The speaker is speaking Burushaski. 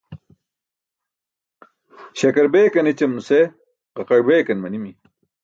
Śakar beekan ećam nuse ġaqaẏ beekan manimi.